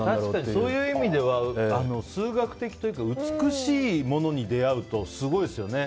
そういう意味では数学的というか美しいものに出会うとすごいですよね。